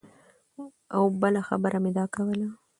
او بله خبره مې دا کوله